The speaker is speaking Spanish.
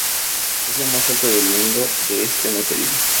Es la más alta del mundo de este material.